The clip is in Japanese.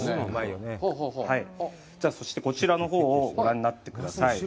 そして、こちらのほうをご覧になってください。